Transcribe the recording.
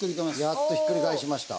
やっとひっくり返しました。